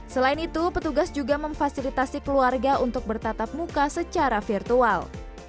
selain itu petugas juga memfasilitasi keluarga untuk bertatap muka secara virtual